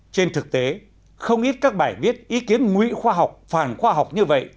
trên thực tế không ít các bài viết ý kiến nguy khoa học phàn khoa học như vậy